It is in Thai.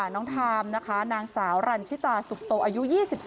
ทามนะคะนางสาวรันชิตาสุกโตอายุ๒๒